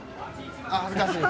あ恥ずかしい？